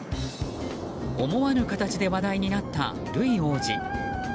思わぬ形で話題になったルイ王子。